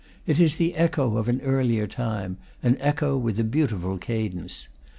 It is the echo of an earlier tune, an echo with a beauti ful cadence.